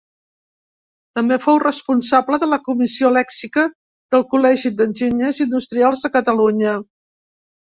També fou responsable de la comissió lèxica del Col·legi d'Enginyers Industrials de Catalunya.